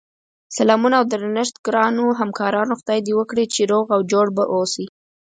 سلامونه اودرنښت ګراونوهمکارانو خدای دی وکړی چی روغ اوجوړبه اووسی